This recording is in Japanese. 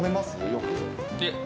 よく。